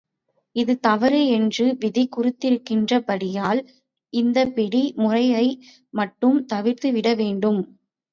இது தவறு என்று விதி குறித்திருக்கின்றபடியால், இந்தப் பிடி முறையை மட்டும் தவிர்த்துவிட வேண்டும்.